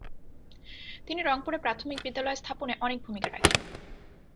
তিনি রংপুরে প্রাথমিক বিদ্যালয় স্থাপনে অনেক ভূমিকা রাখেন।